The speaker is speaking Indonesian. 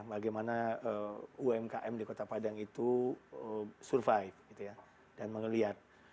bagaimana umkm di kota padang itu survive dan melihat